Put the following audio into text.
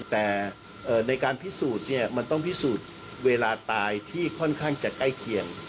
แต่ในการพิสูจน์เนี่ยมันต้องพิสูจน์เวลาตายที่ค่อนข้างจะใกล้เคียง